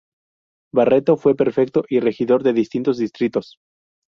Barreto, fue Prefecto y regidor de distintos distritos.